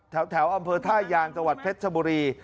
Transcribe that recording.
แถวอำเภอท่ายากจพรรดิ